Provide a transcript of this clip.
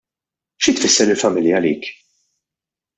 Xi tfisser il-familja għalik?